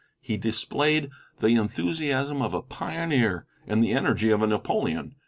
He displayed the enthusiasm of a pioneer, and the energy of a Napoleon.